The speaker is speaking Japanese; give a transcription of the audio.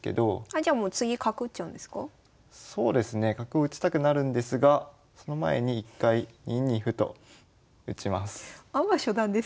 じゃあもうそうですね角を打ちたくなるんですがその前に一回２二歩と打ちます。